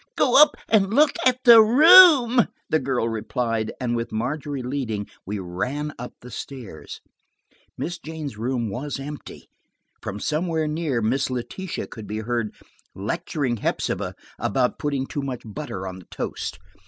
"Go up and look at the room," the girl replied, and, with Margery leading, we ran up the stairs. Miss Jane's room was empty. From somewhere near Miss Letitia could be heard lecturing Hepsibah about putting too much butter on the toast.